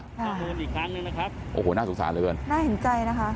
อ่าโอ้โหน่าสุขสาห์เลยอ่ะน่าเห็นใจนะฮะ